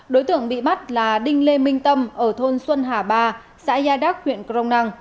đối tượng bị bắt là đinh lê minh tâm ở thôn xuân hà ba xã gia đắc huyện crong năng